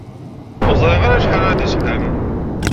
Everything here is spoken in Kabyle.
Ur ẓriɣ ara acḥal ara d-isqam.